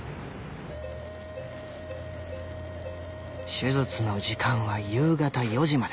手術の時間は夕方４時まで。